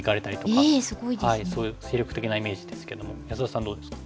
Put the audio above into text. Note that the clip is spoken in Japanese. そういう精力的なイメージですけども安田さんどうですか？